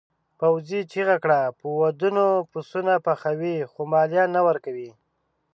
پوځي چیغه کړه په ودونو پسونه پخوئ خو مالیه نه ورکوئ.